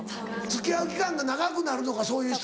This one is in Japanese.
付き合う期間が長くなるのかそういう人は。